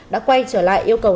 đã quay trở lại yêu cầu